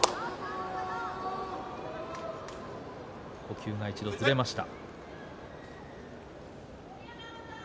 呼吸が一度ずれました。